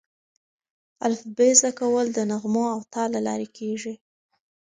الفبې زده کول د نغمو او تال له لارې کېږي.